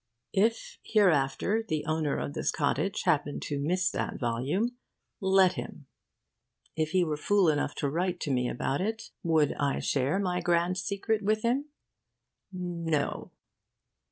If hereafter the owner of this cottage happened to miss that volume let him! If he were fool enough to write to me about it, would I share my grand secret with him? No.